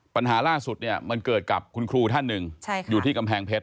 ปัญหาล่าสุดเนี่ยมันเกิดกับคุณครูท่านหนึ่งอยู่ที่กำแพงเพชร